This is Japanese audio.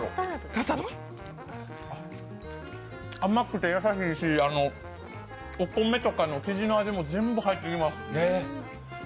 甘くて優しいし、お米とかの生地の味も全部入ってきます。